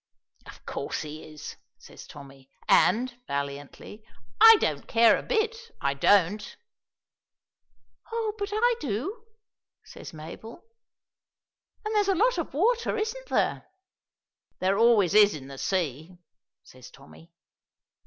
"Of course he is," says Tommy. "And" valiantly "I don't care a bit, I don't." "Oh, but I do," says Mabel. "And there's a lot of water, isn't there?" "There always is in the sea," says Tommy.